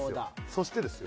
そしてですよ